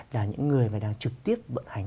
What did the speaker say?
là những người mà đang trực tiếp vận hành